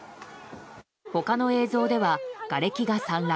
他の映像では、がれきが散乱。